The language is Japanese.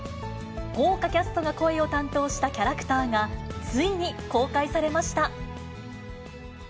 豪華キャストが声を担当したキャラクターがついに公開されました。